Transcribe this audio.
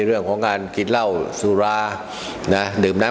เรื่องของงานศีริริยาเกิกเล่าศูลา